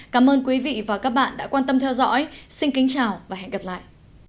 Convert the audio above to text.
cảm ơn các bạn đã theo dõi và hẹn gặp lại